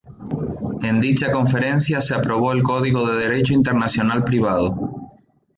En dicha Conferencia se aprobó el Código de Derecho Internacional Privado.